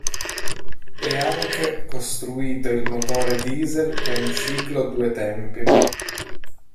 È anche costruito il motore Diesel con ciclo due tempi.